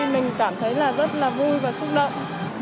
mình cảm thấy rất là vui và xúc động